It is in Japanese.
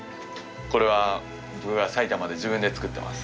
これは僕が埼玉で自分で作ってます。